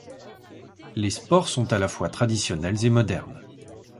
Les sports sont à la fois traditionnels et modernes.